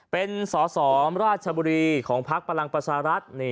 เป็นสอสอราชบุรีของพักพลังประชารัฐ